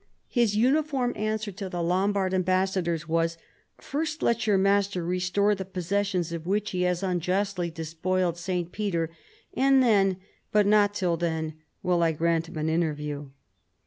His uniform answer to the Lombard ambassadors was, " First let your master restore the possessions of which he has unjustly despoiled St. Peter ; and then, but not till then, will I grant him an interview."